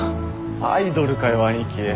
アイドルかよ兄貴。